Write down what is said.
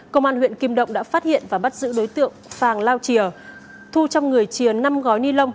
công an huyện kim động đã phát hiện và bắt giữ đối tượng phàng lao chìa thu trong người chia năm gói ni lông